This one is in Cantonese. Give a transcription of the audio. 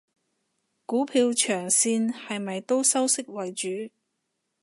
股票長線係咪都收息為主？